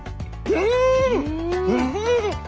うん！